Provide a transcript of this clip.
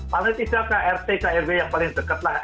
paling tidak ke rt krw yang paling dekat lah